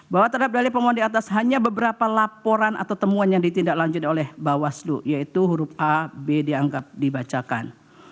bahwa terhadap dalil pemohon di atas hanya beberapa laporan atau temuan yang ditindaklanjuti oleh bawaslu yaitu huruf a b dianggap dibacakan